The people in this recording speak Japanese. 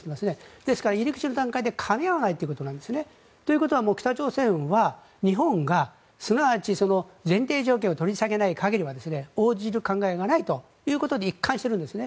ですから入り口の段階でかみ合わないということなんですね。ということは北朝鮮は日本がすなわち前提条件を取り下げない限りは応じる考えがないということで一貫しているんですね。